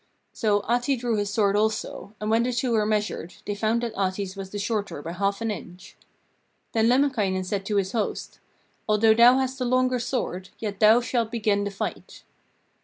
So Ahti drew his sword also, and when the two were measured, they found that Ahti's was the shorter by half an inch. Then Lemminkainen said to his host: 'Although thou hast the longer sword, yet thou shalt begin the fight.'